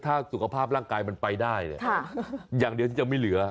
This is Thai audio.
ถ้าสุขภาพร่างกายมันไปได้เนี่ยอย่างเดียวที่จะไม่เหลือ